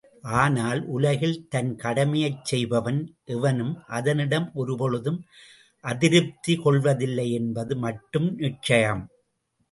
ஆனால் உலகில் தன் கடமையைச் செய்பவன் எவனும் அதனிடம் ஒருபொழுதும் அதிருப்தி கொள்வதில்லை என்பது மட்டும் நிச்சயம்.